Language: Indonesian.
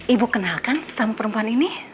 ibu kenalkan sama perempuan ini